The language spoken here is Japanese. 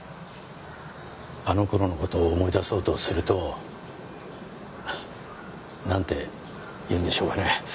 あの頃の事を思い出そうとするとなんていうんでしょうかね？